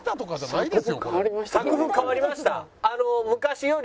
作風変わりました。